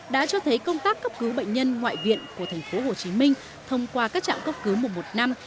đã cho thấy công tác cấp cứu bệnh nhân ngoại viện của tp hcm thông qua các trạm cấp cứu mùa một năm